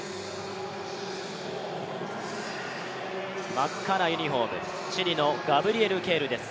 真っ赤ユニフォーム、チリのガブリエル・ケールです。